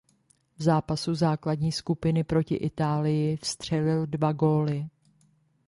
V zápasu základní skupiny proti Itálii vstřelil dva góly.